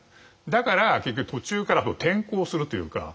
だから結局途中から転向するというか